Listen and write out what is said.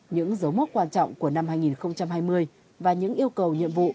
những dấu mốc quan trọng của năm hai nghìn hai mươi và những yêu cầu nhiệm vụ